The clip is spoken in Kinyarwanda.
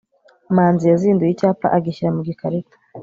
manzi yazinduye icyapa agishyira mu gikarito